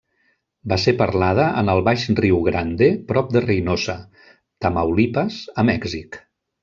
Va ser parlada en el baix Riu Grande prop de Reynosa, Tamaulipas, a Mèxic.